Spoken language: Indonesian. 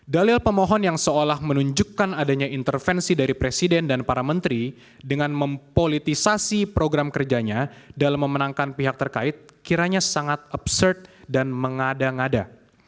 dalil pemohon yang seolah menunjukkan adanya intervensi dari presiden dan para menteri dengan mempolitisasi program kerjanya dalam memenangkan pihak terkait kiranya sangat upserd dan mengada ngada